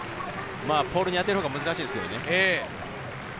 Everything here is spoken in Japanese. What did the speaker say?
ポールに当てるほうが難しいですけどね。